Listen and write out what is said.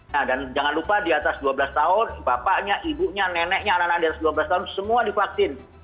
nah dan jangan lupa di atas dua belas tahun bapaknya ibunya neneknya anak anak di atas dua belas tahun semua divaksin